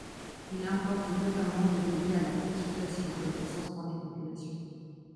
Il importe notamment de veiller à la consultation et au consentement des populations.